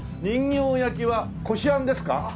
人形焼はこしあんですか？